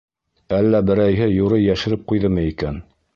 Әллә берәйһе юрый йәшереп ҡуйҙымы икән?